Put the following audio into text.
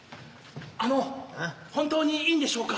あの本当にいいんでしょうか？